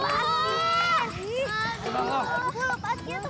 balah gua juga